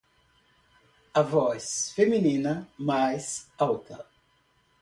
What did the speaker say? A voz feminina mais alta